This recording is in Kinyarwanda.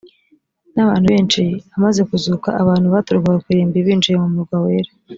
n abantu benshi amaze kuzuka abantu baturukaga ku irimbi binjiye mu murwa wera